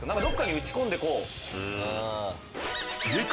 どこかに打ち込んでこう。